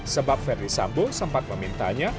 sebab ferdi sambo sempat memintanya